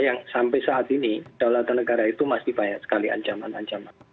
yang sampai saat ini kedaulatan negara itu masih banyak sekali ancaman ancaman